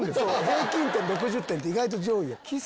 平均点６０点って意外と上位。